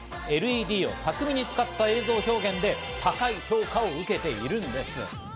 ＬＥＤを巧につかった映像表現で高い評価を受けているんです。